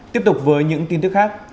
tiếp tục với những tin tức khác